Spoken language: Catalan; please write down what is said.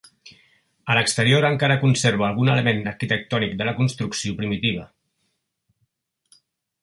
A l'exterior encara conserva algun element arquitectònic de la construcció primitiva.